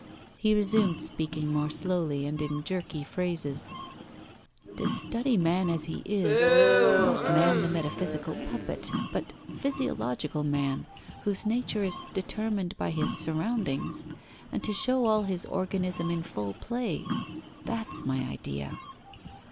He resumed speaking more slowly and in jerky phrases: 'To study man as he is, not man the metaphysical puppet but physiological man, whose nature is determined by his surroundings, and to show all his organism in full play. That's my idea!